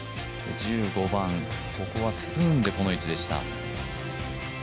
１５番、ここはスプーンでこの位置でした。